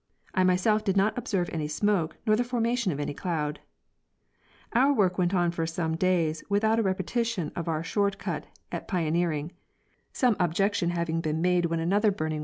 I myself did not observe any smoke'nor the formation of any cloud. Our work went on for some days without a repetition of our short cut at pioneering, some objection having been made when another burning 50 M. W. Harrington — Weather making.